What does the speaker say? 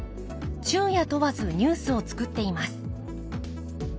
昼夜問わずニュースを作っています。